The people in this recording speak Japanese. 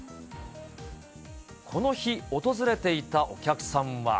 この日、訪れていたお客さんは。